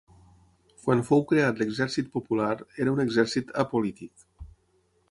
Quan fou creat l'Exèrcit Popular, era un exèrcit «apolític»